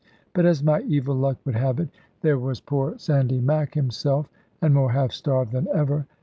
But as my evil luck would have it, there was poor Sandy Mac himself, and more half starved than ever.